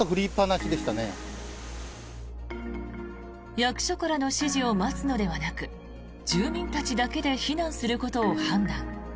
役所からの指示を待つのではなく住民たちだけで避難することを判断。